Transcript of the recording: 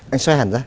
anh xoay hẳn ra